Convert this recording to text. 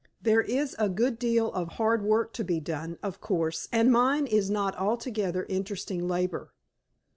"There is a good deal of hard work to be done, of course, and mine is not altogether interesting labor."